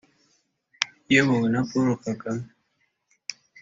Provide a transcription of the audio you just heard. iyobowe na Paul Kagame»